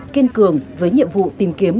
kiên cường với nhiệm vụ tìm kiếm